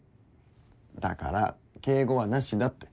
だから敬語はなしだって。